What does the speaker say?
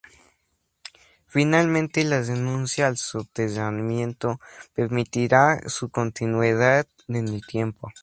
Finalmente la renuncia al soterramiento permitirá su continuidad en el tiempo.